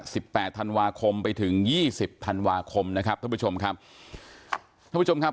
สิบแปดธันวาคมไปถึงยี่สิบธันวาคมนะครับท่านผู้ชมครับท่านผู้ชมครับ